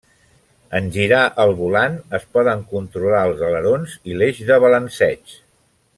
En girar el volant es poden controlar els alerons i l'eix de balanceig.